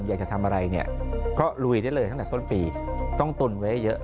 อยากจะทำอะไรก็ลุยได้เลยต้นปีต้องตุ่นไว้เยอะ